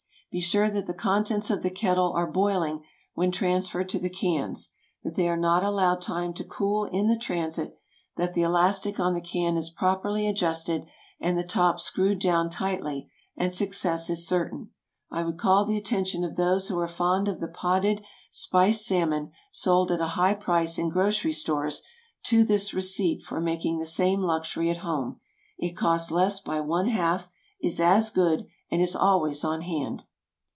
Be sure that the contents of the kettle are boiling when transferred to the cans, that they are not allowed time to cool in the transit, that the elastic on the can is properly adjusted, and the top screwed down tightly, and success is certain. I would call the attention of those who are fond of the potted spiced salmon, sold at a high price in grocery stores, to this receipt for making the same luxury at home. It costs less by one half, is as good, and is always on hand.